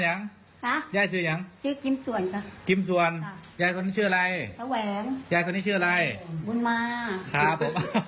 อย่าเล่นหลายนะครับ